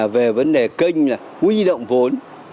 về vấn đề kênh là huy động vốn